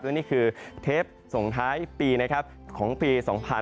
และนี่คือเทปส่วนท้ายปีของปี๒๐๑๙